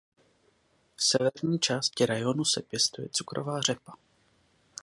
V severní části rajónu se pěstuje cukrová řepa.